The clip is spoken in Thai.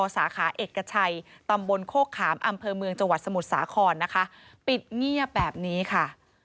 สมุดสาขอนนะคะปิดเงียบแบบนี้ค่ะ